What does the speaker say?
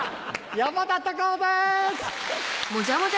山田隆夫です。